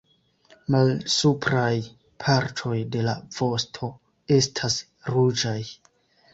Malsupraj partoj de la vosto estas ruĝaj.